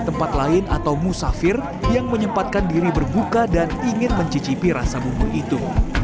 tempat lain atau musafir yang menyempatkan diri berbuka dan ingin mencicipi rasa bubur itu